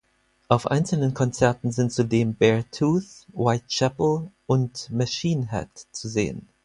Auf einzelnen Konzerten sind zudem Beartooth, Whitechapel und Machine Head zu sehen.